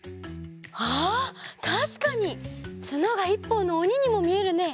あったしかにツノが１ぽんのおににもみえるね。